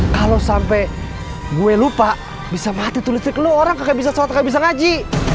kalau sampai gue lupa bisa mati tuh listrik lu orang nggak bisa suatu nggak bisa ngaji